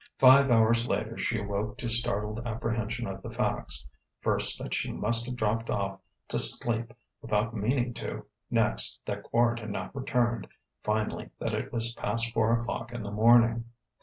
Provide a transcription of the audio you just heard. Five hours later she awoke to startled apprehension of the facts, first that she must have dropped off to sleep without meaning to, next that Quard had not returned, finally that it was past four o'clock in the morning.